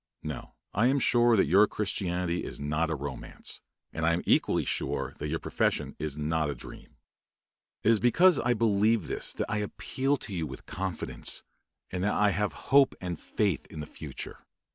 No; I am sure that your Christianity is not a romance, and I am equally sure that your profession is not a dream. It is because I believe this that I appeal to you with confidence, and that I have hope and faith in the future.